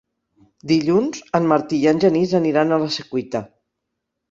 Dilluns en Martí i en Genís aniran a la Secuita.